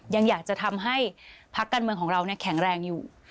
ยังอยากจะทำให้พักการเมืองของเราแข็งแรงอยู่